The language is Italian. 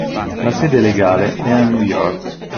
La sede legale è a New York.